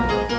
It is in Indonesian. bisa gak sih